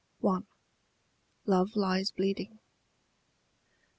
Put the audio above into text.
I. LOVE LIES BLEEDING.